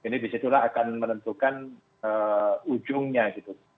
karena ini disitulah akan menentukan ujungnya gitu